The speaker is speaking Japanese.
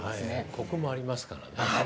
コクもありますからね。